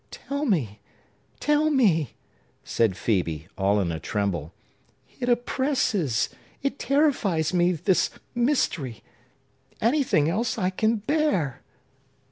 "Tell me!—tell me!" said Phœbe, all in a tremble. "It oppresses,—it terrifies me,—this mystery! Anything else I can bear!"